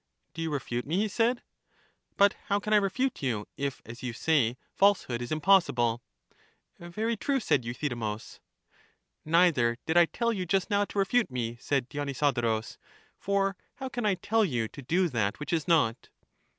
Do you refute me? he said. But how can I refute you, if. as you say, falsehood is impossible ? Very true, said Euthydemus. Neither did I tell you just now to refute me, said Dionysodorus ; for how can I tell you to do that which is not?